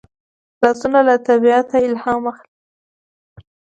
لاسونه له طبیعته الهام اخلي